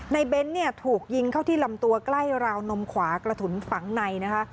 เบ้นเนี่ยถูกยิงเข้าที่ลำตัวใกล้ราวนมขวากระสุนฝังในนะคะ